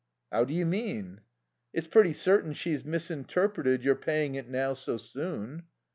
"How do you mean?" "It's pretty certain she's misinterpreted your paying it now so soon."